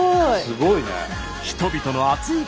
すごいね。